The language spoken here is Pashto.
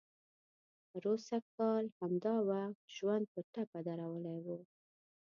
پروسږ کال همدا وخت ژوند په ټپه درولی و.